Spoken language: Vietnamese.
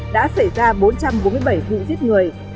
đã xảy ra bốn trăm bốn mươi bảy vụ giết người